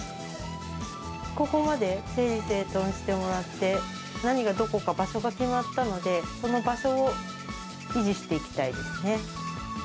ここまで整理整頓してもらって、何がどこか、場所が決まったので、その場所を維持していきたいですね。